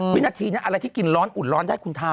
วินาทีนี้อะไรที่กินร้อนอุ่นร้อนได้คุณทาน